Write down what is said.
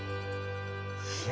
いや。